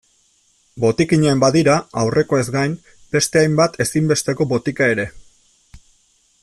Botikinean badira, aurrekoez gain, beste hainbat ezinbesteko botika ere.